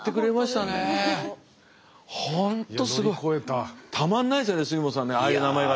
たまんないですよね杉本さんねああいう名前は。